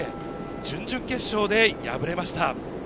準々決勝で敗れました。